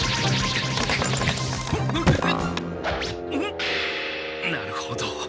んなるほど。